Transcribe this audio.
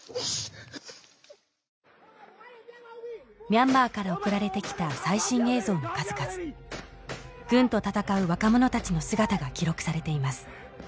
ミャンマーから送られてきた最新映像の数々軍と闘う若者たちの姿が記録されています